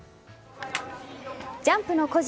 ジャンプの個人